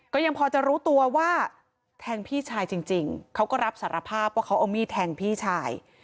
ก็ยังพอจะรู้ตัวว่าแทงพี่ชายจริงเขาก็รับสารภาพว่าเขาเอามีดแทงพี่ชาย